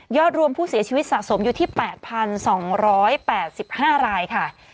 รวมผู้เสียชีวิตสะสมอยู่ที่๘๒๘๕รายค่ะ